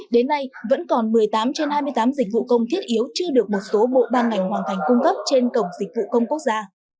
đến nay vẫn còn một mươi tám trên hai mươi tám dịch vụ công thiết yếu chưa được một số bộ ban ngành hoàn thành cung cấp trên cổng dịch vụ công quốc gia